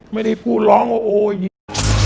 ไม่ได้พูดร้องโอ้โอ้ยิง